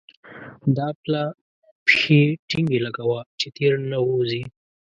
دا پلا پښې ټينګې لګوه چې تېر نه وزې.